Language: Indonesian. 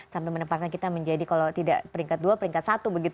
sampai menempatkan kita menjadi kalau tidak peringkat dua peringkat satu begitu ya pak